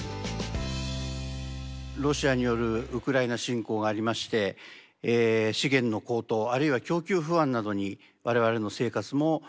ロシアによるウクライナ侵攻がありまして資源の高騰あるいは供給不安などに我々の生活も揺るがされています。